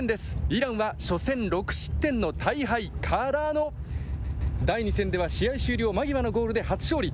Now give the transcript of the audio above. イランは初戦６失点の大敗からの、第２戦では試合終了間際のゴールで初勝利。